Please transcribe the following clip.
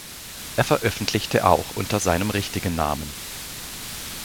Er veröffentlichte auch unter seinem richtigen Namen.